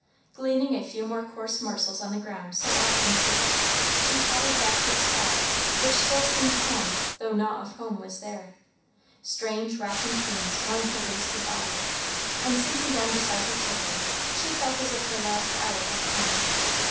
Gleaning a few more coarse morsels on the ground so often searched, she tottered back to the spot which still seemed home though naught of home was there. Strange, racking pains wrung her wasted body, and sinking down beside her children she felt as if her last hour had come.